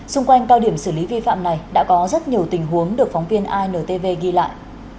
xung quanh cao điểm xử lý vi phạm này đã có rất nhiều tình huống được phóng viên intv ghi lại